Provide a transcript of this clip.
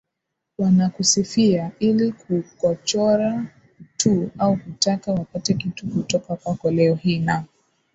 wanakusifia ili kukochora tu au kutaka wapate kitu kutoka kwako Leo hii na